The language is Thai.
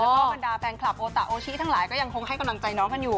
แล้วก็บรรดาแฟนคลับโอตะโอชิทั้งหลายก็ยังคงให้กำลังใจน้องกันอยู่